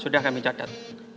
sudah kami catat